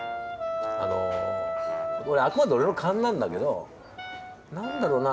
あのこれあくまで俺の勘なんだけど何だろな